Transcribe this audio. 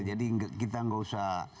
jadi kita nggak usah komplain